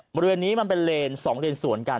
รุนที่นี่เป็นเวลา๒แลนด์สวนกัน